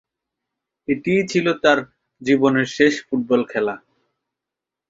এটিই ছিল তার জীবনের শেষ ফুটবল খেলা।